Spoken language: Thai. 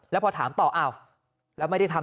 แล้วพอถามต่ออ้าวแล้วไม่ได้ทำ